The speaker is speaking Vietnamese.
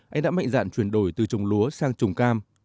anh đã mạnh dạn chuyển đổi từ trồng lúa sang trồng cam